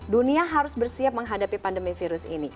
dunia harus bersiap menghadapi pandemi virus ini